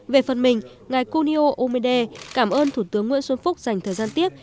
về phần mình ngài kunio umede cảm ơn thủ tướng nguyễn xuân phúc dành thời gian tiếp